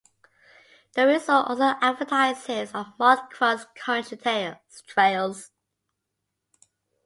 The resort also advertises of marked cross country trails.